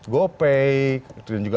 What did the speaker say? gopay dan juga